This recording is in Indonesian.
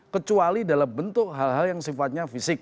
kecuali dalam bentuk hal hal yang sifatnya fisik